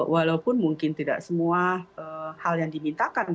walaupun mungkin tidak semua hal yang dimintakan